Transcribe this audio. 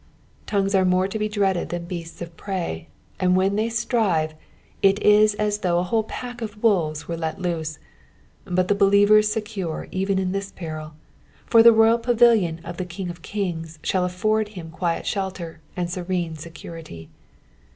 Tongues are more to be dreaded than beasts of prey — and when they strive, it is as though a whole pack of wolves were let loose ; but the believer is secure even in this peril, for the royal pavilion of the King of kings sfaaU afford him quiet shelter and serene security.